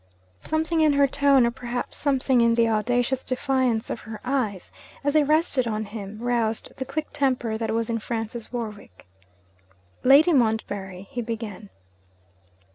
Something in her tone, or perhaps something in the audacious defiance of her eyes as they rested on him, roused the quick temper that was in Francis Westwick. 'Lady Montbarry !' he began.